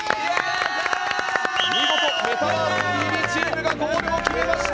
見事「メタバースＴＶ！！」チームがゴールを決めました。